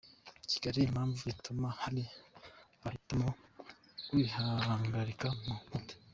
Kigali Impamvu ituma hari abahitamo kwihagarika ku nkuta